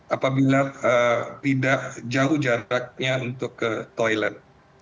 apabila tidak jauh jaraknya untuk ke toilet